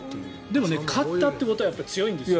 でも勝ったということはやっぱり強いんですよ。